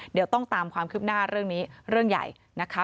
เดี๋ยวต้องตามความคืบหน้าเรื่องนี้เรื่องใหญ่นะคะ